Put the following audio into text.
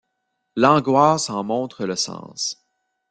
L’angoisse en montre le sens.